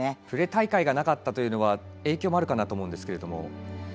プレ大会がなかったのは影響もあるかなと思うんですけれども。